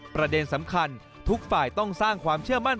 ประเด็นสำคัญทุกฝ่ายต้องสร้างความเชื่อมั่น